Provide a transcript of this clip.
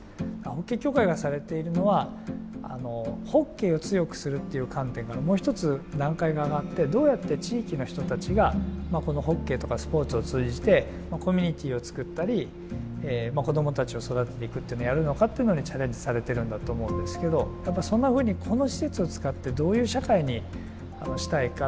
ホッケー協会がされているのはホッケーを強くするっていう観点からもう１つ段階が上がってどうやって地域の人たちがホッケーとかスポーツを通じてコミュニティーを作ったり子どもたちを育てていくっていうのをやるのかっていうのにチャレンジされているんだと思うんですけど、やっぱりそんなふうに、この施設を使ってどういう社会にしたいか。